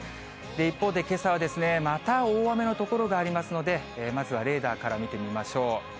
一方でけさは、また大雨の所がありますので、まずはレーダーから見てみましょう。